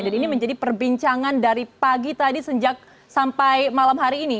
dan ini menjadi perbincangan dari pagi tadi sejak sampai malam hari ini